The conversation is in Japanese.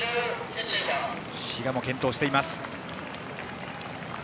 滋賀も健闘しています。